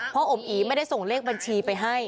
อมอีไม่ได้ส่งเลขบัญชีไปให้